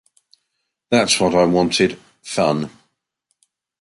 That's what I wanted--fun.